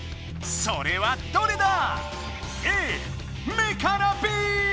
それはどれだ？